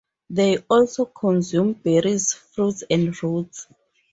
They also consume berries, fruits, and roots.